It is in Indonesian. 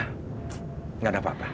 tsk gak ada apa apa